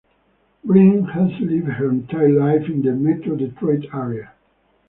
Breen has lived her entire life in the Metro Detroit area.